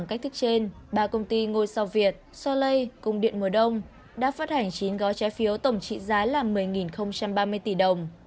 cách thức trên ba công ty ngôi sao việt soleil cung điện mùa đông đã phát hành chín gói trái phiếu tổng trị giá là một mươi ba mươi tỷ đồng